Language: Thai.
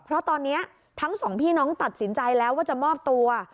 เพราะตอนนี้ทั้งสองพี่น้องตัดสินใจแล้วว่าจะมอบตัว